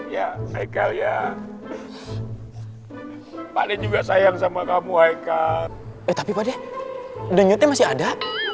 ya ya ya paling juga sayang sama kamu hai kak tapi udah nyuruhnya masih ada